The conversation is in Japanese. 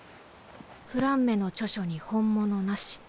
「フランメの著書に本物なし」。